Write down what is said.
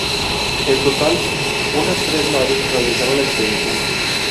En total unas tres naves realizaron la expedición.